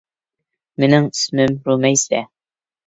مېنىڭ ئىسمىم رۇمەيسە